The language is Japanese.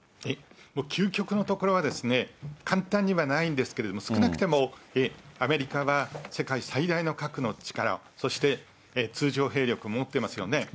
究極のところは簡単にはないんですけれども、少なくてもアメリカは世界最大の核の力を、そして通常兵力も持ってますよね。